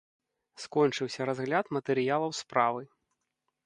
Скончыўся разгляд матэрыялаў справы.